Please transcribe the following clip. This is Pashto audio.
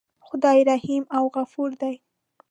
خدای رحیم او غفور دی.